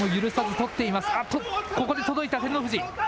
あっと、ここで届いた照ノ富士。